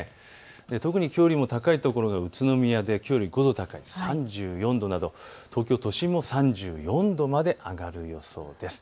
特にきょうよりも高い所、宇都宮できょうより５度高い３４度など東京都心も３４度まで上がる予想です。